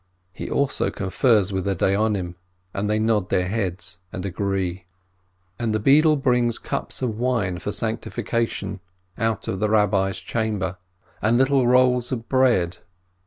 He also confers with the Dayonim, and they nod their heads and agree. And the beadle brings cups of wine for Sanctification, out of the Rabbi's chamber, and little rolls of bread.